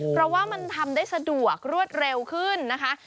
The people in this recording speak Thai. เพราะว่ามันทำได้สะดวกรวดเร็วขึ้นนะคะ